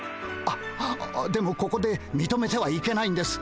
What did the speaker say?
あっでもここでみとめてはいけないんです。